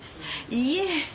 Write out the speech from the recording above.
いいえ。